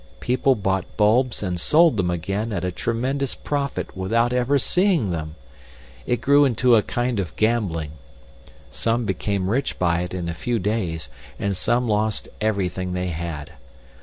People bought bulbs and sold them again at a tremendous profit without ever seeing them. It grew into a kind of gambling. Some became rich by it in a few days, and some lost everything they had.